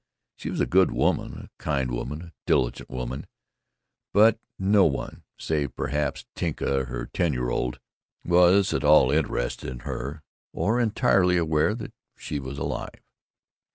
She was a good woman, a kind woman, a diligent woman, but no one, save perhaps Tinka her ten year old, was at all interested in her or entirely aware that she was alive.